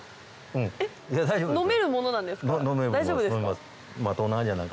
えっ飲めるものなんですか？